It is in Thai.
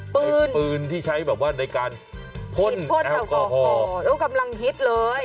เป็นปืนที่ใช้แบบว่าในการพ่นพ่นแอลกอฮอลกำลังฮิตเลย